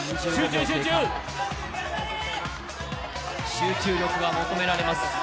集中力が求められます。